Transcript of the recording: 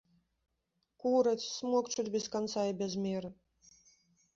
Кураць, смокчуць без канца і без меры.